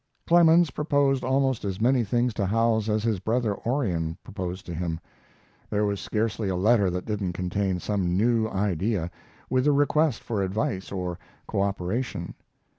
Clemens proposed almost as many things to Howells as his brother Orion proposed to him. There was scarcely a letter that didn't contain some new idea, with a request for advice or co operation.